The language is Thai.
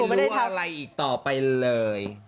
อย่าได้รู้อะไรอีกต่อไปเลย